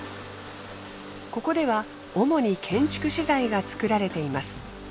ここでは主に建築資材が作られています。